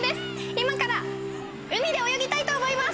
今から海で泳ぎたいと思います！